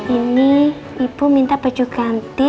ini ibu minta baju ganti